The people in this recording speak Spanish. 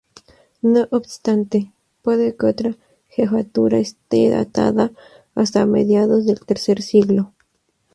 No obstante, puede que otra jefatura este datada hasta mediados del tercer siglo.